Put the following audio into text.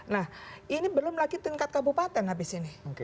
nah ini belum lagi tingkat kabupaten habis ini